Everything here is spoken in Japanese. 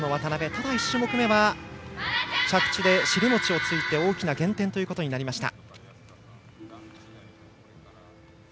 ただ１種目めは着地で尻餅をついて大きな減点となりました。